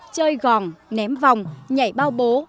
chơi gòn ném vòng nhảy bao bố